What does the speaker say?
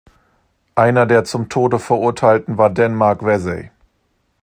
Einer der zum Tode verurteilten war Denmark Vesey.